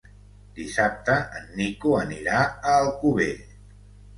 Dissabte en Nico anirà a Alcover.